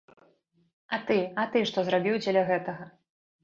А ты, а ты што зрабіў дзеля гэтага?